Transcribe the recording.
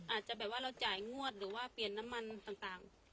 อาจจะแบบว่าเราจ่ายงวดหรือว่าเปลี่ยนน้ำมันต่าง